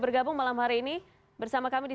bergabung malam hari ini bersama kami di